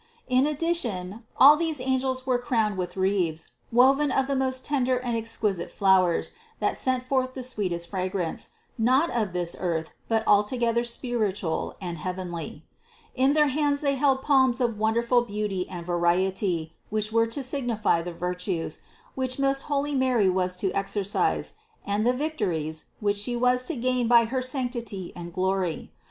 364. In addition, all these angels were crowned with wreaths woven of the most tender and exquisite flowers, that sent forth the sweetest fragrance, not of this earth but altogether spiritual and heavenly. In their hands they held palms of wonderful beauty and variety, which were to signify the virtues, which most holy Mary was to exercise, and the victories, which She was to gain by her sanctity and glory.